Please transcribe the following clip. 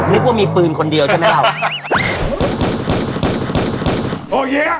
นึกว่ามีปืนคนเดียวใช่ไหมครับ